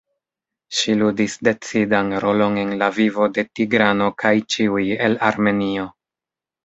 Ŝi ludis decidan rolon en la vivo de Tigrano kaj ĉiuj el Armenio.